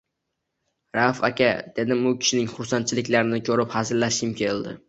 – Rauf aka! – dedim u kishining xursandchiliklarini ko’rib xazillashgim keldi